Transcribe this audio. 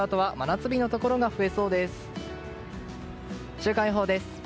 週間予報です。